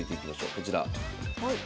こちら。